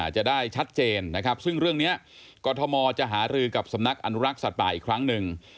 จะได้ชัดเจนนะครับซึ่งเรื่องนี้กรทมจะหารือกับสำนักอนุรักษ์สัตว์ป่าอีกครั้งหนึ่ง